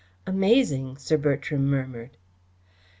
"Amazing!" Sir Bertram murmured.